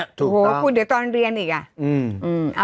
โอ้โหคุณเดี๋ยวตอนเรียนอีกอ่ะ